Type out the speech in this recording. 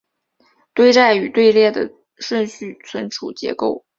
堆栈与队列的顺序存储结构